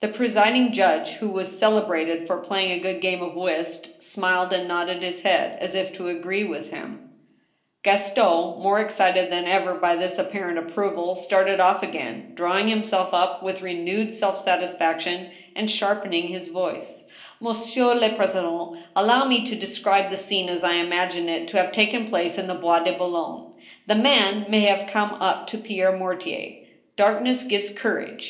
The presiding judge, who was celebrated for playing a good game of whist, smiled and nodded his head, as if to agree with him. 198 THE STEEL HAMMER. Gaston, more excited than ever by this apparent approval, started off again, drawing himself up with rene\^ self satisfaction, and sharpening his voice :Monsieur le president, allow me to describe the scene as I imagine it to have taken place in the Bois de Boulogne : The man may have come up to Pierre Mortier, ... darkness gfivcs courage